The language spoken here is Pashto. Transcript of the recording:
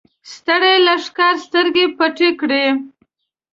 ستړي لښکر سترګې پټې کړې.